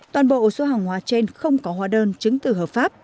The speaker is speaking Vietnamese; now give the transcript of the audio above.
toàn bộ số hàng hóa trên không có hóa đơn chứng từ hợp pháp